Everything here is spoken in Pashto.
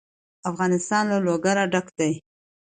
افغانستان له لوگر ډک دی.